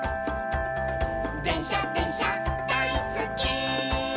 「でんしゃでんしゃだいすっき」